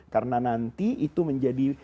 karena nanti itu menjadi